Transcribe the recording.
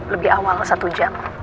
lebih awal satu jam